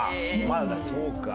まだそうか。